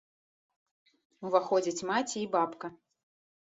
Уваходзяць маці і бабка.